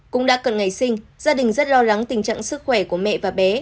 cũng đã cận ngày sinh gia đình rất lo rắng tình trạng sức khỏe của mẹ và bé